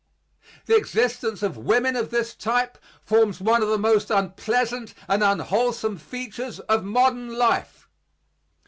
The existence of women of this type forms one of the most unpleasant and unwholesome features of modern life.